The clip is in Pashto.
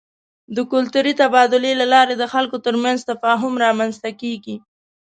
د کلتوري تبادلې له لارې د خلکو ترمنځ تفاهم رامنځته کېږي.